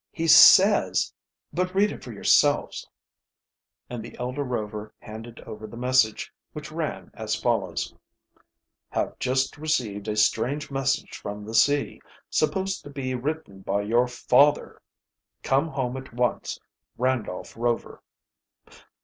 He says but read it for yourselves," and the elder Rover handed over the message, which ran as follows: "Have just received a strange message from the sea, supposed to be written by your father. Come home at once. RANDOLPH ROVER."